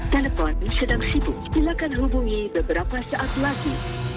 telepon sedang sibuk silakan hubungi beberapa saat lagi